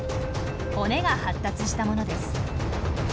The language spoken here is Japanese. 骨が発達したものです。